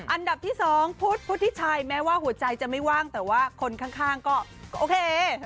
อันดับที่๒พุทธพุทธิชัยแม้ว่าหัวใจจะไม่ว่างแต่ว่าคนข้างก็โอเค